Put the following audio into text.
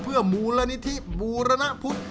เพื่อมูลนิธิบูรณพุทธ